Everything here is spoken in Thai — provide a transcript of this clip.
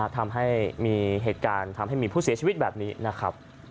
ทำให้มีเหตุการณ์ทำให้มีผู้เสียชีวิตแบบนี้นะครับ